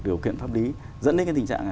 điều kiện pháp lý dẫn đến tình trạng